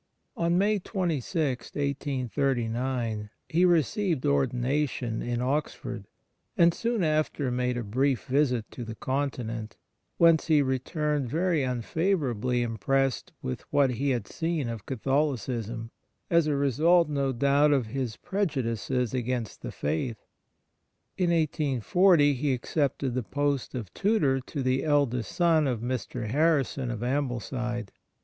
On May 26, 1839, he received ordina tion in Oxford, and soon after made a brief visit to the Continent, whence he returned very unfavourably impressed with what he had seen of Catholicism, a result, no doubt, of his prejudices against the faith. In 1840 he accepted the post of tutor to the eldest son of Mr. Harrison of Ambleside.